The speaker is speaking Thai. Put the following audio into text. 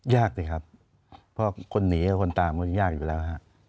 ยากสิครับเพราะคนหนีกับคนตามมันยากอยู่แล้วฮะ